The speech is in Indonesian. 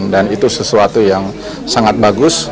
dan itu sesuatu yang sangat bagus